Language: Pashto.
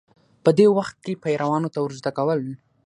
په دې وخت کې پیروانو ته ورزده کول